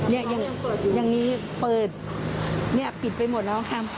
เนี้ยยังยังนี้เปิดเนี้ยปิดไปหมดแล้วค่ะ